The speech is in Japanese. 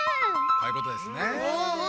こういうことですね。